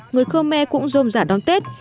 người khơ me cũng rôm giả đón tết